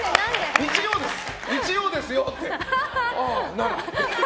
日曜ですよ！って。